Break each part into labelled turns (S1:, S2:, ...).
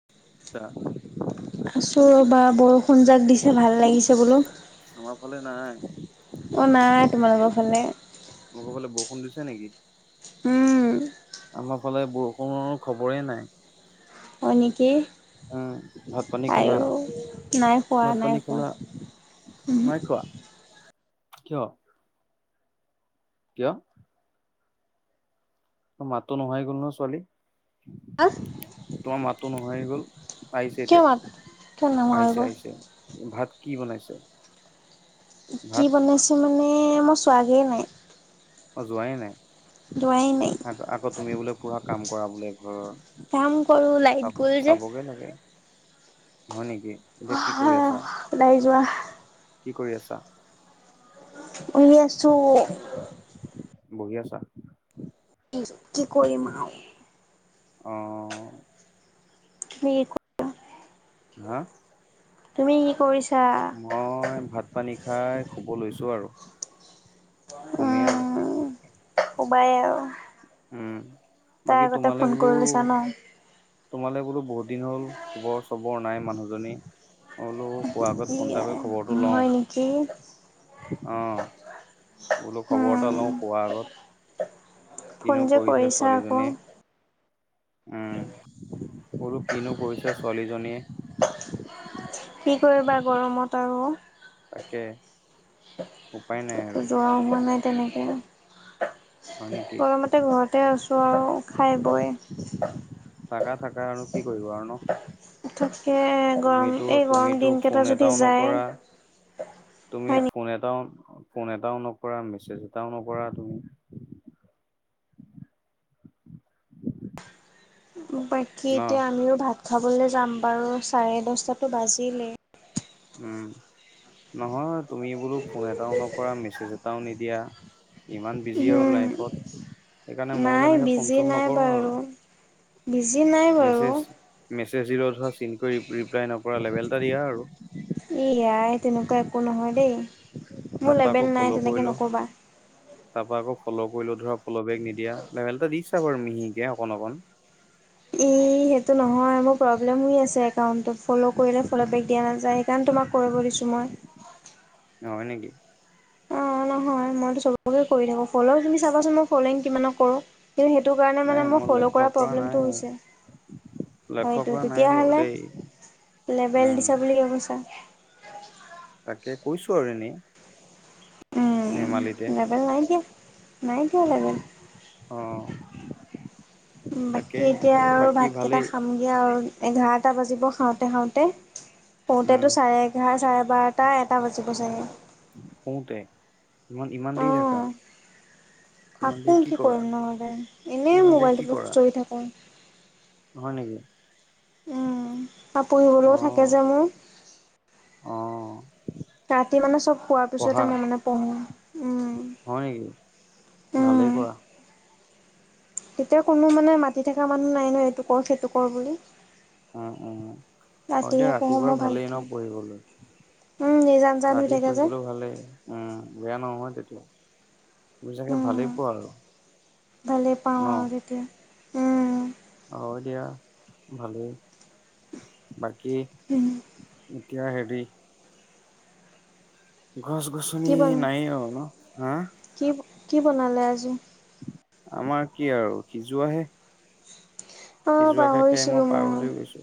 S1: [unintelligible]
S2: টা
S1: আছোঁ ৰ'বা বৰষুণ যাক দিছে ভাল লাগিছে বোলো।
S2: আমাৰফালে নাই।
S1: অ' নাই তোমালোকৰ ফালে।
S2: তোমালোকৰফালে বৰষুণ দিছে নেকি?
S1: উম।
S2: আমাৰফালে বৰষুণৰ খবৰে নাই।
S1: হয় নেকি?
S2: উম, ভাত পানী খালা?
S1: আইও নাই খোৱা
S2: ভাত
S1: নাই
S2: পানী
S1: খোৱা
S2: খালা?
S1: উহু
S2: নাই খোৱা কিয়? কিয়? তোৰ মাতটো নোহোৱা হৈ গ'ল ন' ছোৱালী।
S1: [unintelligible]
S2: তোমাৰ মাতটো নোহোৱা হৈ গ'ল, আহিছে
S1: কিয়
S2: এতিয়া,
S1: মাত কিয় নোহোৱা হৈ
S2: আহিছে
S1: গ'ল
S2: আহিছে। ভাত কি বনাইছে?
S1: কি
S2: ভাত
S1: বনাইছে মানে মই চোৱাগেই নাই।
S2: অ' যোৱাই নাই।
S1: দোৱাই নাই।
S2: আ-আকৌ তুমি বোলে পুৰা কাম কৰা বোলে ঘৰৰ।
S1: কাম কৰো লাইট
S2: চাব
S1: গ'ল যে
S2: চাবগে লাগে। হয় নেকি? এতিয়া কি কৰি আছা?
S1: ওলাই যোৱা
S2: কি কৰি আছা?
S1: শুই আছোঁ।
S2: বহি আছা?
S1: কি কৰিম আৰু?
S2: অ'।
S1: [unintelligible]
S2: হা?
S1: তুমি কি কৰিছা?
S2: মই ভাত পানী খাই খুব লৈছোঁ আৰু, সোমেই আৰু।
S1: শুবায়ে আৰু।
S2: উম,
S1: তাৰ
S2: বাকী
S1: আগতে
S2: তোমালে
S1: ফোন
S2: বোলো
S1: কৰি লৈছা ন
S2: তোমালে বোলো বহুত দিন হ'ল খবৰ চবৰ নাই মানুহজনী মই বোলো শুৱাৰ আগত
S1: কি
S2: ফোন এটা কৰি খবৰটো
S1: হয় নেকি
S2: লওঁ। অ'। বোলো খবৰ এটা লওঁ
S1: উম
S2: শুৱাৰ আগত।
S1: ফোন
S2: কিনো
S1: যে
S2: কৰিছে
S1: কৰিছা আকৌ
S2: ছোৱালীজনীয়ে। উম। বোলো কিনো কৰিছে ছোৱালীজনীয়ে।
S1: কি কৰিবা গৰমত আৰু।
S2: তাকে। উপায় নাই আৰু
S1: যোৱা হোৱা নাই তেনেকে,
S2: হয় নেকি
S1: গমতে ঘৰত তে আছোঁ আৰু খাই বৈ।
S2: থাকা থাকা আৰু কি কৰিব আৰু ন'।
S1: তাকে গৰম
S2: তুমিতো
S1: এই গৰম
S2: তুমিতো
S1: দিনকেইটা
S2: ফোন
S1: যদি
S2: এটাও
S1: যায়
S2: নকৰা। তুমি
S1: হয়
S2: ফোন এটাও ফোন এটাও নকৰা, মেছেজ এটাও নকৰা তুমি।
S1: বাকী
S2: ন'
S1: এতিয়া আমিও ভাত খাবলৈ যাম বাৰু, চাৰে দশটাতো বাজিলেই।
S2: উম। নহয় তুমি বোলো ফোন এটাও নকৰা, মেছেজ এটাও নিদিয়া। ইমান বিজি আৰু
S1: উম
S2: লাইফত। সেইকাৰণে ময়ো
S1: নাই
S2: তেনেকে ফোন
S1: বিজি
S2: চোন
S1: নাই
S2: নকৰোঁ আৰু।
S1: বাৰু বিজি নাই বাৰু
S2: মেছেজ মেছেজ দিলেও ধৰা চিন কৰি ৰি-ৰিপ্লাই নকৰা লেভেল এটা দিয়া আৰু।
S1: এই য়াই তেনেকুৱা একো নহয় দেই। মোৰ
S2: তাৰপা আকৌ
S1: লেবেল
S2: ফ'ল'
S1: নাই তেনেকে
S2: কৰিলোঁ।
S1: নক'বা।
S2: তাৰপা আকৌ ফলৌ কৰিলোঁ ধৰা ফলৌ বেক নিদিয়া। লেভেল এটা দিছা বাৰু মিহিকে অকণ অকণ।
S1: এ সেইটো নহয় মোৰ প্ৰব্লেম আছে একাউণ্টত ফ'ল' কৰিলে ফল'বেক দিয়া নাযায় সেইকাৰণে তোমাক কৰিব দিছোঁ মই
S2: হয় নেকি
S1: অ নহয় মইতো চবকে কৰি থাকো ফ'ল' তুমি চাচোন মই ফ'লং কিমানক কৰো কিন্তু সেইটো কাৰণে
S2: নাই
S1: মানে মোৰ
S2: মই
S1: ফ'ল'
S2: লক্ষ্য
S1: কৰা
S2: নাই।
S1: প্ৰব্লেমটো হৈছে
S2: লক্ষ্য
S1: হয়টো
S2: কৰা নাই বাৰু দেই
S1: তেতিয়াহলে লেবেল
S2: উম
S1: দিছা বুলি কিয় কৈছা
S2: তাকে কৈছো আৰু এনেই ধেমালিতে
S1: লোবেল নাই দিয়া নাই দিয়া লেবেল
S2: অ তাকে
S1: বাকী এতিয়া আৰু
S2: বাকী
S1: ভাত কেইটা
S2: ভালেই
S1: খাম এতিয়া আৰু এঘাৰটা বাজিব খাওঁতে খাওঁতে
S2: উম
S1: পওঁতেতো চাৰে সহাৰ চাৰে বাৰটা এটা বাজিব চাগৈ
S2: শুওঁতে ইমান ইমান দেৰি থাকা ইমান দেৰি
S1: থাকোঁ কি
S2: কৰা
S1: কৰিম নো মানে এনেই
S2: ইমান দেৰি কি
S1: মোবাইলটোত
S2: কৰা
S1: খুচৰি থাকোঁ
S2: হয় নেকি
S1: উম পঢ়িবলৈও
S2: অ
S1: থাকে যে মোৰ
S2: অ
S1: ৰাতি মানে চব খোৱাৰ পিছতে
S2: পঢ়া
S1: মই মানে পঢ়ো উম
S2: হয় নেকি
S1: উম
S2: ভালেই কৰা
S1: তেতিয়া কোনো মানে মাতি থকা মানুহ নাই ন এইটো কৰ সেইটো কৰ বুলি
S2: উম উম অ দিয়া
S1: ৰাতিহে পঢ়ো
S2: ৰাতিপুৱাৰ
S1: মই
S2: ভালেই ন
S1: ভালকে
S2: পঢ়িবলৈ
S1: উম নিজান জান হৈ
S2: ৰাতি
S1: থাকে যে
S2: পঢ়িবলৈ ভালেই উম বেয়া নহয় তেতিয়া তুমি চাগে
S1: উম।
S2: ভালেই পোৱা আৰু
S1: ভালেই পাওঁ
S2: অ
S1: আৰু তেতিয়া উম
S2: অ দিয়া ভালেই বাকী
S1: উম
S2: এতিয়া হেৰি গছ
S1: কি
S2: গছনি
S1: বনাম
S2: নাই আৰু ন হা
S1: কি কি বনালে আজি
S2: আমাৰ কি আৰু সিজোৱাাহে
S1: আহ পাহৰিছিলো মই
S2: পাগল হৈ গৈছো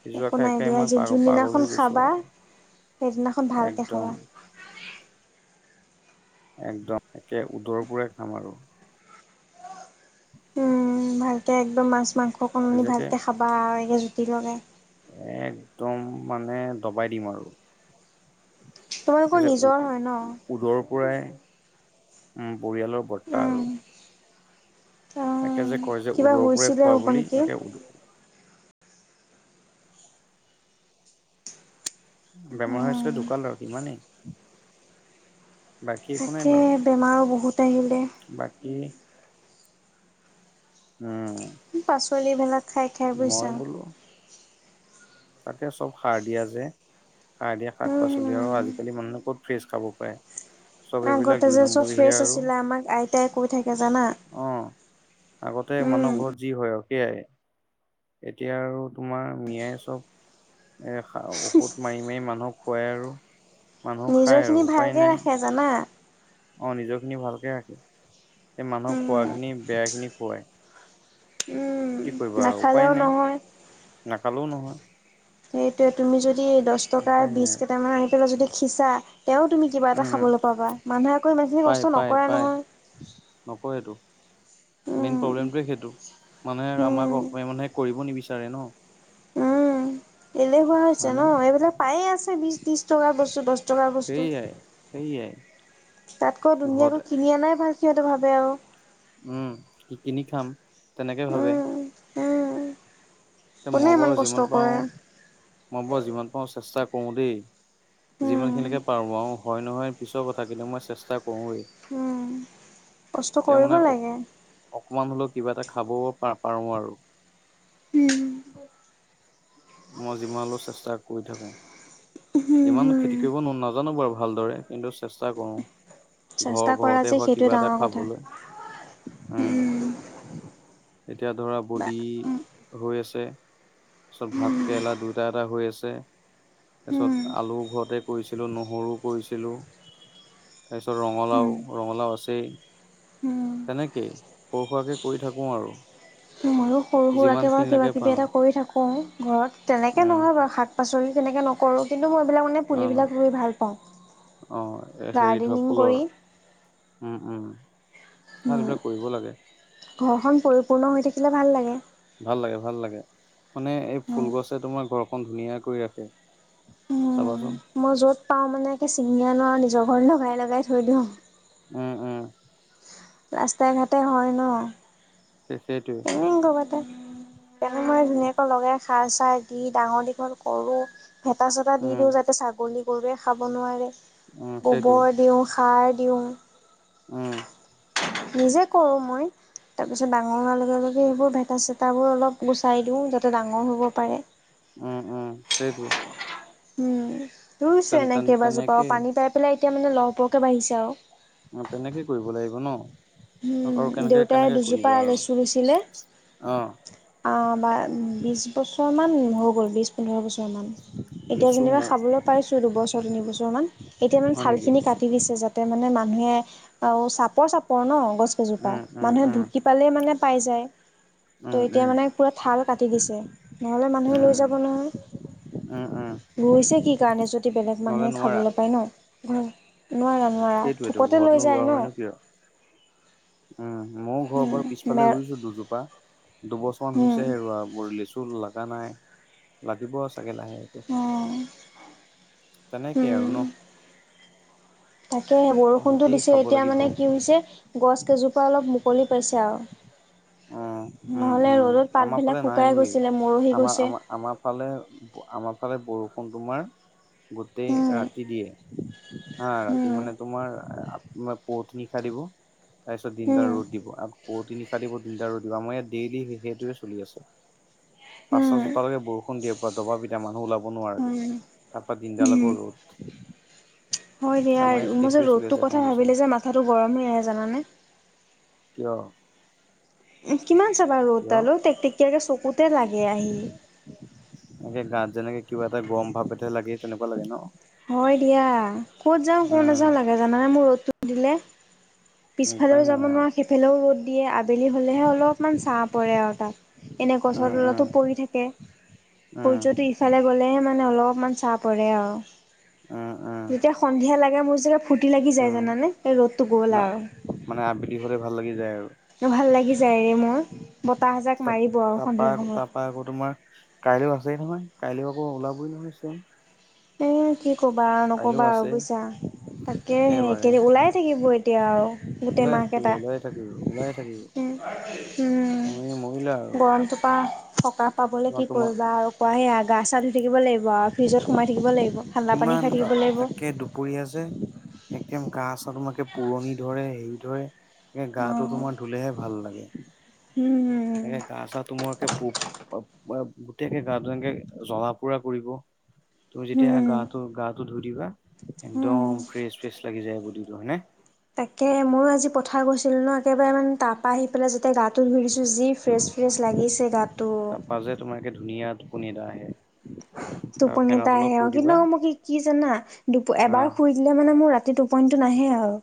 S2: সিজোৱা
S1: একো
S2: খাই
S1: নাই
S2: খাই
S1: দিয়া
S2: মই পাগ পাগল হৈ
S1: যোনদিনাখন
S2: গৈছো
S1: খাবা
S2: আৰু
S1: সেইদিনাখন ভালকে
S2: একদম
S1: খাবা
S2: একদম একে উদৰ পোৰে খাম আৰু
S1: উম,
S2: [inaudible]
S1: ভালকে একদম মাছ মাংস
S2: মই
S1: কনি
S2: যেকে
S1: ভালকে খাবা আৰু একে জুতি লগে
S2: একদম মানে দবাই দিম আৰু
S1: তোমালোকৰ নিজৰ হয় ন
S2: দৰৰ পৰাই পৰিয়ালৰ বৰ্তা
S1: উম,
S2: আৰু
S1: অ'
S2: তে যে কয় যে
S1: কিবা
S2: উদৰ পৰাৰেই
S1: হৈছিলে
S2: খোৱা
S1: হ'ব
S2: বুলি
S1: নেকি?
S2: একে উদ বেমাৰ হৈ
S1: উম,
S2: আছিলে ঢোকাল আৰু ইমানেই বাকী একো নাই
S1: তাকে
S2: বাৰু
S1: বেমাৰো বহুত আহিলে।
S2: বাকী উম
S1: পাচলি ভেলাক খাই খাই
S2: মই
S1: বুইছা
S2: বোলো তাকে চব সাৰ দিয়া যে সাৰ দিয়া শাক পাচলি আৰু
S1: উম,
S2: আজিকালি মানুহে ক'ত ফ্ৰেছ খাব পাৰে চব এইবিলাক
S1: আগতে
S2: দুই
S1: যে চব
S2: নম্বৰীহে
S1: ফ্ৰেছ
S2: আৰু
S1: আছিলে আমাক আইতাই কৈ থাকে জানা
S2: অ আগতে
S1: উম,
S2: মানুহ ঘৰত যি হয় সকোই এতিয়া আৰু তোমাৰ মিয়াই চব এ ঔষধ মাৰি মাৰি মানুহক খুৱাই আৰু মানুহ খাই আৰু
S1: নিজৰখিনি
S2: উপায়
S1: ভালকে
S2: নাই
S1: ৰাখে জানা।
S2: অ নিজৰ খিনি ভালকে ৰাখে এই মানুহক
S1: উম,
S2: খোৱাখিনি বেয়া খিনি খুৱাই
S1: উম,
S2: কি কৰিবা আৰু উপায়
S1: নাখালেও
S2: নাই
S1: নহয়।
S2: নাখালেও নহয়।
S1: সেইটোয়ে তুমি যদি দহ টকা
S2: উপায় নাই
S1: বিছ
S2: আৰু
S1: কেইটামান আহি পেলাই যদি সিঁচা তেওঁ তুমি কিবা এটা
S2: উম
S1: খাবলে পাবা মানুহে আকৌ ইমানখিনি কষ্ট নকৰে নহয়।
S2: নকৰেতো মেইন
S1: উম
S2: প্ৰব্লেমটোৱে সেইটো মানুহে আমাৰ আকৌ
S1: উম
S2: অসমীয়া মানুহে কৰিব নিবিচাৰে ন।
S1: উম
S2: [inaudible]
S1: এলেহুৱা হৈছে
S2: হয়নে
S1: ন এইবিলাক পায়ে আছে বিশ, ত্ৰিছ টকা বস্তু দশ বস্তু
S2: সেয়াই সেয়াই
S1: তাতকৈ ধুনীয়াকৈ
S2: ঘৰতে
S1: কিনি আনাই ভাল সিহঁতে ভাবে আৰু
S2: উম কিনি খাম তেনেকে ভাবে
S1: উম উম
S2: এতিয়া
S1: কোনে
S2: মই
S1: ইমান
S2: বাৰু
S1: কষ্ট
S2: যিমান পাৰোঁ
S1: কৰে
S2: মই বাৰু যিমান পাৰো চেষ্টা কৰো দেই যিমান
S1: উম
S2: খিনিলেকে পাৰো আৰু হয় নহয় পিছৰ কথা কিন্তু মই চেষ্টা কৰোৱে
S1: উম, কষ্ট কৰিব
S2: অ
S1: লাগে।
S2: অকমান হলেও কিবা এটা খাব পাৰো আৰু
S1: উম
S2: মই যিমান হ'লেও চেষ্টা কৰি থাকো ইমান খেতি
S1: উম
S2: কৰিব নাজানো বাৰু ভালদৰে কিন্তু চেষ্টা কৰো
S1: চেষ্টা কৰা
S2: ঘৰ-ঘৰতে
S1: যে
S2: হোৱা
S1: সেইটোৱে
S2: কিবা এটা
S1: ডাঙৰ কথা
S2: খাবলৈ উম এতিয়া ধৰা
S1: বা
S2: বডি
S1: উম
S2: হৈ আছে তাৰপিছত ভাত কেৰেলা দুটা এটা হৈ আছে।
S1: উম,
S2: তাৰপিছত আলু ঘৰতে কৰিছিলো নহৰু কৰিছিলো তাৰপিছত
S1: উম,
S2: ৰঙালাও-ৰঙালাও আছেই
S1: উম।
S2: তেনেকেই সৰু সুৰাকে কৰি থাকো আৰু
S1: মইও সৰু
S2: যিমান
S1: সুৰাকে বাৰু কিবা
S2: খিনিলৈকে
S1: কিবি
S2: পাৰো
S1: এটা কৰি থাকোঁ ঘৰত তেনেকে
S2: উম।
S1: নহয় বাৰু শাক পাচলি তেনেকে নক কৰো কিন্তু মই এইবিলাক মানে
S2: অ',
S1: পুলিবিলাক ৰুই ভাল
S2: অ', এ
S1: পাওঁ
S2: হেৰি ধৰা
S1: গাৰ্ডেনিং
S2: ফুলৰ
S1: কৰি।
S2: উম উম ভাল
S1: উম,
S2: এইবিলাক কৰিব লাগে।
S1: ঘৰখন পৰিপূৰ্ণ হৈ থাকিলে ভাল লাগে।
S2: ভাল লাগে ভাল লাগে মানে এই ফুল গছে তোমাৰ ঘৰখন ধুনীয়া কৰি ৰাখে।
S1: উম।
S2: চাবাচোন।
S1: মই য'ত পাওঁ মানে একে চিঙি আনো আৰু নিজৰ ঘৰত লগাই লগাই থৈ দিওঁ।
S2: উম উম।
S1: ৰাস্তাই ঘাটে হয় ন।
S2: সেইটোৱে
S1: [unintelligible] মই ধুনীয়াকৈ লগাই সাৰ চাৰ দি ডাঙৰ দীঘল কৰো। ভেতা চেতা দি
S2: উম,
S1: দিওঁ যাতে ছাগলী গৰুৱে খাব নোৱাৰে
S2: উম, সেইটোৱে
S1: গোবৰ দিওঁ। সাৰ দিওঁ।
S2: উম'।
S1: নিজে কৰো মই তাৰপিছত ডাঙৰ হোৱাৰ লগে লগে সেইবোৰ ভেতা চেতাবোৰ অলপ গুচাই দিওঁ যাতে ডাঙৰ হ'ব পাৰে।
S2: উম উম, সেইটোৱে
S1: ৰুইছোঁ
S2: তেন
S1: এনেই
S2: তেন
S1: কেইবাজোপাও আৰু
S2: তেনেকেই
S1: পানী পাই পেলাই এতিয়া মানে লহপহকৈ বাঢ়িছে আৰু
S2: অ তেনেকে কৰিব লাগিব ন
S1: উম
S2: আৰু কেনেকে
S1: দেউতাই
S2: কেনেকে
S1: দুজোপা
S2: কৰিবা আৰু। অ।
S1: অ বা বিশ বছৰমান হৈ গ'ল বিশ পোন্ধৰ বছৰমান এতিয়া
S2: লিচু
S1: যেনিবা
S2: মৌ
S1: খাবলৈ পাইছো দুবছৰ, তিনি বছৰ মান এতিয়া মানে
S2: হয়
S1: থাল
S2: নেকি
S1: খিনি কাটি কাটি দিছে যাতে মানে মানুহে আৰু চাপৰ চাপৰ ন গছ কেজোপা
S2: উম, উম,
S1: মানুহে
S2: উম,
S1: ঢুকি পালেই মানে পাই যায়। ত
S2: উম,
S1: এতিয়া
S2: উম,
S1: মানে পুৰা ঠাল কাটি দিছে নহ'লে মানুহে লৈ
S2: উম।
S1: যাব নহয়।
S2: উম, উম,
S1: ৰুইছে কি কাৰণে যদি বেলেগ
S2: নহ'লে
S1: মানুহে
S2: নোৱাৰা
S1: খাবলৈ পায় ন। হয় নোৱাৰা না
S2: সেইটোৱেতো
S1: থোকতে লৈ
S2: ঘৰতনো
S1: যায়
S2: ৰোৱা
S1: ন।
S2: হয়নো কিয়। উম ময়ো ঘৰ
S1: উম
S2: বাৰ
S1: মে
S2: পিছফালে ৰুইছো দুজোপা। দুবছৰমান
S1: উম
S2: হৈছে হে ৰুৱা মোৰ লেচু লগা নাই। লাগিব আছে। [unintelligible]
S1: অ
S2: তেনেকে আৰু
S1: উম
S2: ন'।
S1: তাকে বৰষুণটো
S2: তেনেকেই
S1: দিছে
S2: খাব
S1: এতিয়া
S2: লাগিব।
S1: মানে কি হৈছে, গছ কেইজোপা অলপ মুকলি পাইছে আৰু।
S2: উম, উম,
S1: নহলে
S2: উম,
S1: ৰ'দত
S2: আমাৰ ফালে
S1: পাতবিলাক
S2: নাই
S1: শুকাই
S2: ঐ।
S1: গৈছিলে মৰহি
S2: আমাৰ
S1: গৈছে।
S2: আমাৰ আমাৰ ফালে আমাৰ ফালে বৰষুণ তোমাৰ গোটেই
S1: উম
S2: ৰাতি দিয়ে। হা ৰাতি
S1: উম
S2: মানে তোমাৰ পুৱতি নিশা দিব। তাৰপিছত দিনদাৰ
S1: উম
S2: ৰ'দ দিব আকৌ পুৱতি নিশা দিব, দিনদাৰ ৰ'দ দিব আমাৰ ইয়াত ডেইলি সেইটোৱে চলি আছে। পাঁচটা
S1: উম
S2: ছটালৈকে বৰষুণ দিয়ে পৰা দবাপিটা মানুহ ওলাব নোৱাৰাকে।
S1: উম
S2: তাৰ পৰা দিনডাল
S1: উম
S2: আকৌ ৰ'দ।
S1: হয় দিয়া
S2: আমাৰ ইয়াত
S1: মোৰ যে
S2: সেইটোৱে চলি
S1: ৰ'দটোৰ
S2: আছে
S1: কথা
S2: কণ্ডিচন
S1: ভাবিলে যে মাথাটো গৰমে হৈ আহে জানানে।
S2: কিয়?
S1: কিমান চাবা
S2: কিয়
S1: ৰ'দডালো টেক টেকীয়াকৈ চকুতে লাগে আহি।
S2: এনেকে গাত যেনেকে কিবা এটা গৰম ভাপ এটাহে লাগে তেনেকুৱা লাগে ন।
S1: হয় দিয়া ক'ত যাওঁ ক'ত
S2: উম
S1: নাযাওঁ লাগে জানানে মোৰ ৰ'দটো দিলে।
S2: উপায়
S1: পিছফালেও
S2: নাই
S1: যাব
S2: আৰু
S1: নোৱাৰা সেইফালেও ৰ'দ দিয়ে আবেলি হ'লেহে অলপমান ছাঁ পৰে আৰু তাত। এনে গছৰ
S2: উম উম
S1: তলতো পৰি থাকে
S2: উম
S1: সূৰ্যটো ইফালে গলেহে মানে অলপমান চা পৰে।
S2: উম, উম।
S1: যেতিয়া সন্ধিয়া লাগে মোৰ যোগে ফূৰ্তি লাগি যায়
S2: উম
S1: জানানে এই ৰ'দটো গ'ল
S2: না
S1: আৰু।
S2: মানে আবেলি হ'লে ভাল লাগি যায় আৰু।
S1: ভাল লাগি যায়ৰে মোৰ বতাহজাক মাৰিব আৰু সন্ধিয়া সময়ত।
S2: বা আকৌ তোমাৰ কাইলৈও আছেই নহয়, কাইলৈও আকৌ ওলাবই নহয় ছেম।
S1: এ কি ক'বা আৰু
S2: কাইলৈও
S1: নক'বা
S2: আছে
S1: আৰু বুজিছা। তাকে হে
S2: একেবাৰে
S1: ওলাই থাকিব এতিয়া আৰু গোটেই
S2: ওলাই থাকিব
S1: মাহকেইটা।
S2: ওলাই থাকিব ওলাই থাকিব তুমি মৰিলা আৰু
S1: গৰমটোপা সকাহ পাবলৈ কি
S2: তোমাৰ
S1: কৰিবা আৰু কোৱা সেয়া গা চা ধুই থাকিব লাগিব আৰু ফ্ৰিজত সোমাই থাকিব লাগিব। ঠাণ্ডা পানী
S2: কিমান
S1: খাই থাকিব লাগিব।
S2: একে দু পৰি আছে একদম কাহ চাহ তোমাকে পুৰণি ধৰে হেৰি ধৰে। এ গা টো
S1: অঁ
S2: তোমাৰ ধুলেহে ভাল লাগে।
S1: উম।
S2: একে গা চা তোমালকে পুপ গোটকে গা এনেকে জ্বলা পুৰা কৰিব। তুমি যেতিয়া
S1: উম
S2: গাটো, গাটো ধুই দিবা
S1: উম।
S2: একদম ফ্ৰেচ ফ্ৰেচ লাগি যায় বডি টো হয়নে?
S1: তাকে ময়ো আজি পথাৰ গৈছিলোঁ ন একেবাৰে মানে তাপ পাই আহি পেলাই যোতে গাটো ধুইছো যি ফ্ৰেছ ফ্ৰেছ লাগিছে গাটো।
S2: তাৰপা যে তোমাৰ একে ধুনীয়া টোপনি এটা আহে। আৰু
S1: টোপনি
S2: ফেনৰ
S1: এটা
S2: তলত
S1: আহে
S2: শুই
S1: অ' কিন্তু
S2: দিবা
S1: মোক কি কি জানা দুপ এবাৰ
S2: আহ
S1: শুই দিলে মানে মোৰ ৰাতি টোপনিটো নাহে আৰু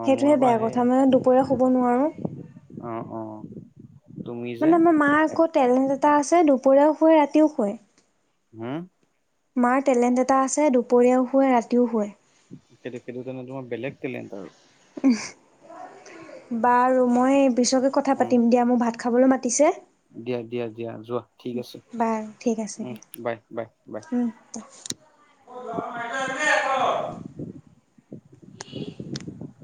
S2: অ মোৰ আকৌ
S1: বেয়া
S2: আহে
S1: কথা মানে দুপৰীয়া শুব নোৱাৰো।
S2: অ', অ'। তুমি যে
S1: মানে আমাৰ মা আকৌ টেলেণ্ট এটা আছে দুপৰীয়াও শুৱে ৰাতিও শুৱে।
S2: হম।
S1: মাৰ টেলেণ্ট এটা আছে দুপৰীয়াও শুৱে ৰাতিও শুৱে।
S2: সেইটো সেইটো কাৰণে তোমাৰ বেলেগ টেলেণ্ট আৰু।
S1: বাৰু মই পিছকে কথা
S2: আৰু
S1: পাতিম দিয়া মোক ভাত খাবলৈ মাতিছে।
S2: দিয়া, দিয়া, দিয়া যোৱা ঠিক আছে।
S1: বাৰু ঠিক আছে
S2: উম
S1: দিয়া
S2: বাই, বাই, বাই।
S1: [unintelligible] [unintelligible]